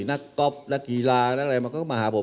นักก๊อฟนักกีฬานักอะไรมันก็มาหาผม